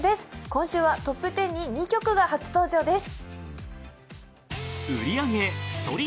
今週はトップ１０に２曲が初登場です